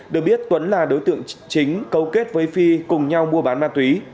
được biết tuấn là đối tượng chính cấu kết với phi cùng nhau mua bán ma túy